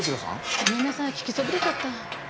ごめんなさい聞きそびれちゃった。